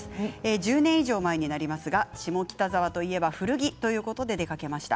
１０年以上前になりますが下北沢といえば古着ということで出かけました。